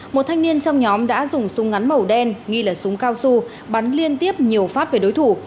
một thanh niên trong nhóm đã dùng súng ngắn màu đen nghi là súng cao su bắn liên tiếp nhiều phát về đối thủ